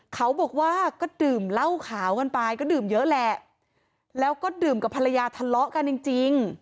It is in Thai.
เขาบอกว่าก็ดื่มเหล้าขาวกันไปก็ดื่มเยอะแหละแล้วก็ดื่มกับภรรยาทะเลาะกันจริงจริง